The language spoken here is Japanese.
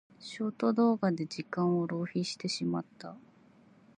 ショート動画で時間を浪費してしまった。